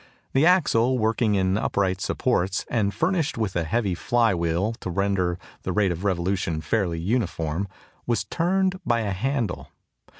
The axle, working in upright supports, and furnished with a heavy flywheel to render the rate of revolution fairly uniform, was turned by a handle.